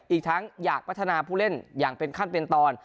อีกทั้งอยากพัฒนาผู้เล่นอย่างเป็นขั้นเป็นตอน